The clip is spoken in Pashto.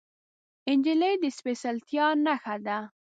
نجلۍ د سپیڅلتیا نښه ده.